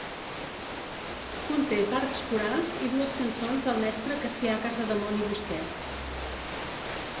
Conté parts corals i dues cançons del mestre Cassià Casademont i Busquets.